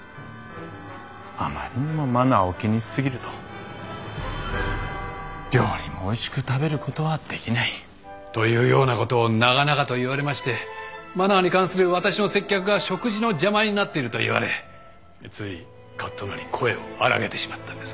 あまりにもマナーを気にし過ぎると料理もおいしく食べることはできない。というようなことを長々と言われましてマナーに関する私の接客が食事の邪魔になっていると言われついカッとなり声を荒らげてしまったんです。